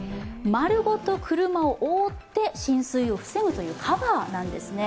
丸ごと車を覆って浸水を防ぐというカバーなんですね。